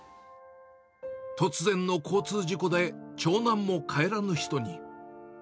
突然の交通事故で長男も帰らぬ人に。